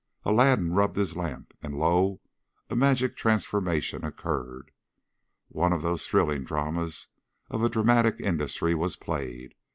Aladdin rubbed his lamp, and, lo! a magic transformation occurred; one of those thrilling dramas of a dramatic industry was played.